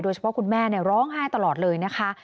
โดยเฉพาะคุณแม่ร้องห้ายตลอดเลยนะคะ